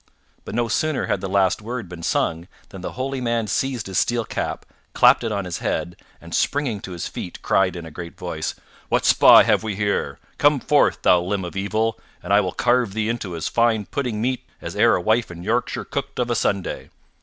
But no sooner had the last word been sung than the holy man seized his steel cap, clapped it on his head, and springing to his feet, cried in a great voice, "What spy have we here? Come forth, thou limb of evil, and I will carve thee into as fine pudding meat as e'er a wife in Yorkshire cooked of a Sunday."